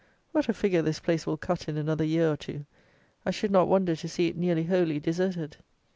What a figure this place will cut in another year or two! I should not wonder to see it nearly wholly deserted.